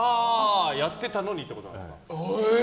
やってたのにってことですか。